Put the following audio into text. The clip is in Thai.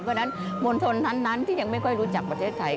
เพราะฉะนั้นมณฑลท่านนั้นที่ยังไม่ค่อยรู้จักประเทศไทย